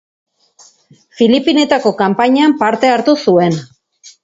Filipinetako kanpainan parte hartu zuen.